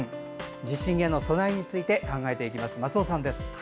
地震への備えについて考えていきます、松尾さんです。